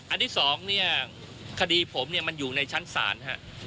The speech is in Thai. ที่สองเนี่ยคดีผมเนี่ยมันอยู่ในชั้นศาลฮะ